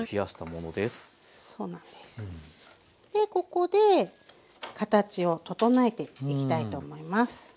ここで形を整えていきたいと思います。